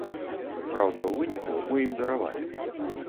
Праўда, у выніку мы ім даравалі.